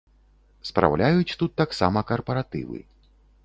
Спраўляюць тут таксама карпаратывы.